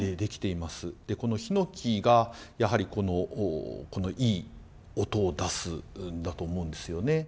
この檜がやはりこのいい音を出すんだと思うんですよね。